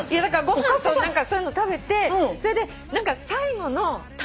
ご飯と何かそういうの食べてそれで最後の。